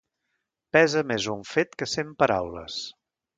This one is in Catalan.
Pesa més un fet que cent paraules.